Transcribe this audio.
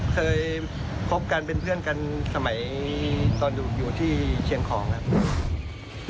เคยคบกันเป็นเพื่อนกันสมัยตอนอยู่ที่เชียงของครับ